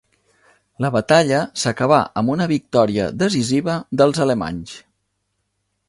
La batalla s'acabà amb una victòria decisiva dels alemanys.